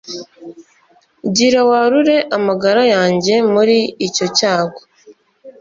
Gira warure amagara yanjye muri icyo cyago